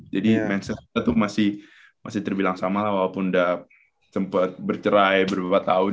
jadi mindset kita tuh masih terbilang sama lah walaupun udah sempet bercerai berbepa tahun